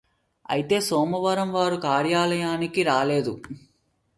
అయితే సోమవారం వారు కార్యలయానికి రాలేదు